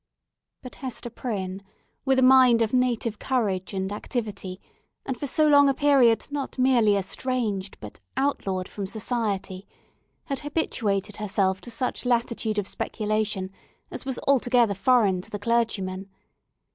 But Hester Prynne, with a mind of native courage and activity, and for so long a period not merely estranged, but outlawed from society, had habituated herself to such latitude of speculation as was altogether foreign to the clergyman.